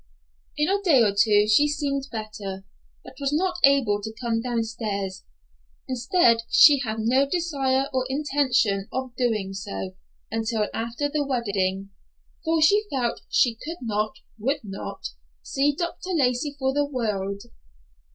In a day or two she seemed better, but was not able to come downstairs. Instead, she had no desire or intention of doing so until after the wedding, for she felt she could not, would not, see Dr. Lacey for the world.